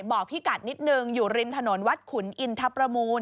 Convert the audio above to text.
บอกพี่กัดนิดนึงอยู่ริมถนนวัดขุนอินทรประมูล